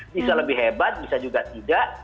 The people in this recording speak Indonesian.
bisa lebih hebat bisa juga tidak